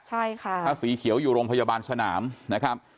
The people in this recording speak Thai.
ใช่ค่ะถ้าสีเขียวอยู่โรงพยาบาลสนามนะครับ